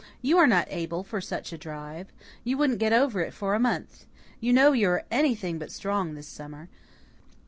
You are not able for such a drive. You wouldn't get over it for a month. You know you are anything but strong this summer."